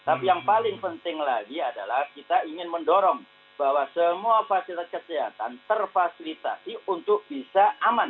tapi yang paling penting lagi adalah kita ingin mendorong bahwa semua fasilitas kesehatan terfasilitasi untuk bisa aman